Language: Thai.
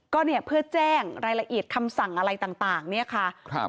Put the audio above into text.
ก็เนี่ยเพื่อแจ้งรายละเอียดคำสั่งอะไรต่างเนี่ยค่ะครับ